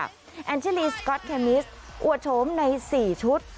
แอนชิลีสก๊อตแคมิสอวดโฉมใน๔ชุด